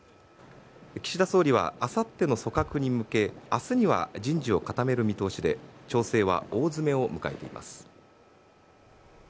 岸田総理はあさっての組閣に向け明日には人事を固める見通しで調整は大詰めを迎えています。